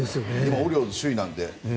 オリオールズは首位なので。